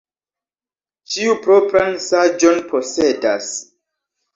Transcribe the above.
Ĉiu propran saĝon posedas.